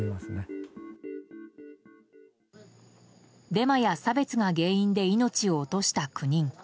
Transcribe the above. デマや差別が原因で命を落とした９人。